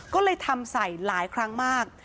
ก็เลยทำใส่หลายครั้งมาก